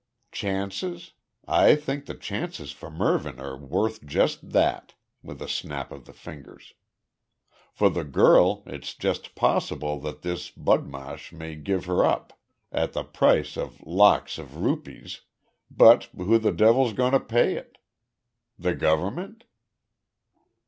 "Chances? I think the chances for Mervyn are worth just that," with a snap of the fingers. "For the girl, it's just possible that this budmash may give her up, at the price of lakhs of rupees, but who the devil's going to pay it?" "The Government?"